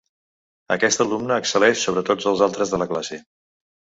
Aquest alumne excel·leix sobre tots els altres de la classe.